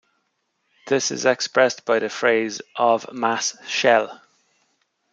This is expressed by the phrase "off mass shell".